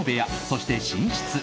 そして、寝室。